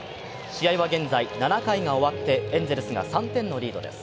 試合は現在、７回が終わってエンゼルスが３点のリードです。